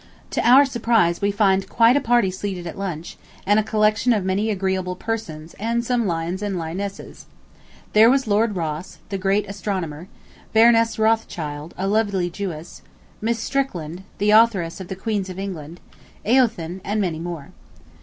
To our surprise we found quite a party seated at lunch, and a collection of many agreeable persons and some lions and lionesses. There was Lord Ross, the great astronomer; Baroness Rothschild, a lovely Jewess; Miss Strickland, the authoress of the "Queens of England"; "Eōthen," and many more.